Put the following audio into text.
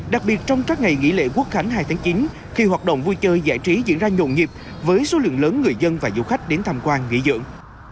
đặc biệt trong các ngày nghỉ lễ quốc khánh hai tháng chín khi hoạt động vui chơi giải trí diễn ra nhộn nhịp với số lượng lớn người dân và du khách đến tham quan nghỉ dưỡng